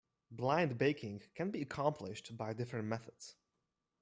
Blind baking can be accomplished by different methods.